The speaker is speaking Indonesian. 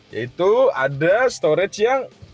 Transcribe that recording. yaitu ada storage yang